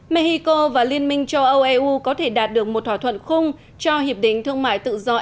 mexico và liên minh châu âu eu có thể đạt được một thỏa thuận khung cho hiệp định thương mại tự do